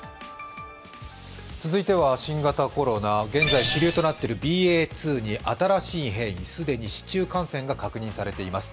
続いては新型コロナ、現在主流となっているＢＡ．２に新しい変異、既に市中感染が確認されています。